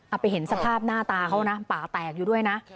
ไปเห็นสภาพหน้าตาเขานะป่าแตกอยู่ด้วยนะ